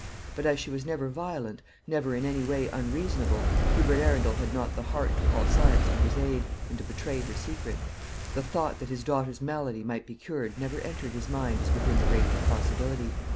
But as she was never violent, never in any way unreasonable, Hubert Arundel had not the heart to call science to his aid, and to betray her secret. The thought that his daughter's malady might be cured never entered his mind as within the range of possibility.